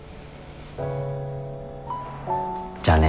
じゃあね。